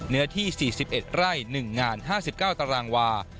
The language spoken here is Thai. เนื้อที่๔๑ไร่๑งาน๕๙ตารางวา